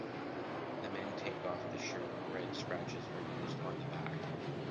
The men take off the shirt, red scratches are noticed on the back.